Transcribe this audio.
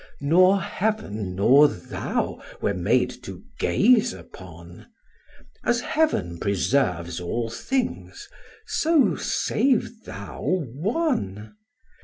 Nor heaven nor thou were made to gaze upon: As heaven preserves all things, so save thou one.